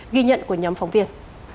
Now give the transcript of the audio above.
ghi nhận của nhóm phóng viên